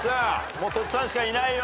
もうとっつぁんしかいないよ。